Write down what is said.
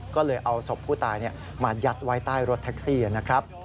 ก็เลยเอาศพผู้ตายมายัดไว้ใต้รถแท็กซี่นะครับ